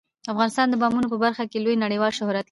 افغانستان د بادامو په برخه کې لوی نړیوال شهرت لري.